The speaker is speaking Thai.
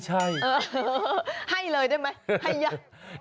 ให้เลยได้มั้ยฮัยยะ